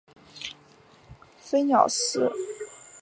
飞鸟寺有很多个名称。